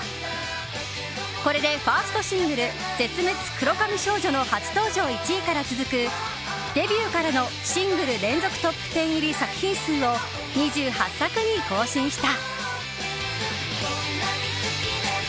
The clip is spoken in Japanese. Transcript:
これでファーストシングル「絶滅黒髪少女」の初登場１位から続くデビューからのシングル連続トップ１０入り作品数を２８作に更新した。